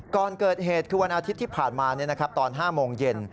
ก่อนเกิดเหตุคือวันอาทิตย์ที่ผ่านมาตอน๕โมงเย็น